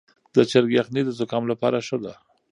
د چرګ یخني د زکام لپاره ښه ده.